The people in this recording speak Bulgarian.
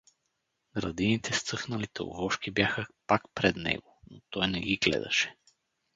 Градините с цъфналите овошки бяха пак пред него, но той не ги гледаше.